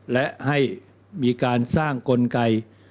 และให้มีการสร้างกลไก